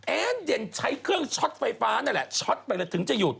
เด่นใช้เครื่องช็อตไฟฟ้านั่นแหละช็อตไปเลยถึงจะหยุด